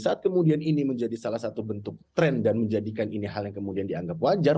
saat kemudian ini menjadi salah satu bentuk tren dan menjadikan ini hal yang kemudian dianggap wajar